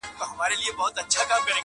د شاه شجاع د قتلېدلو وطن؛